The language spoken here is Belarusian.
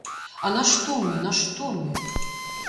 А нашто мне, нашто мне?